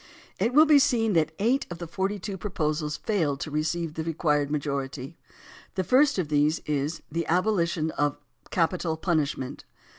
It will be seen that eight of the forty two proposals failed to receive the required majority. The first of these is the "Abolition of Capital Punishment."